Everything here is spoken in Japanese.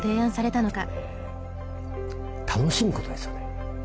楽しむことですよね。